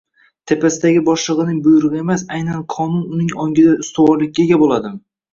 tepasidagi boshlig‘ining buyrug‘i emas, aynan qonun uning ongida ustuvorlikka ega bo‘ladi?